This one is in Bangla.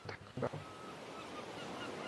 আরেকটা ধাক্কা দাও।